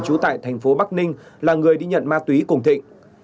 trú tại thành phố bắc ninh là người đi nhận ma túy cùng thịnh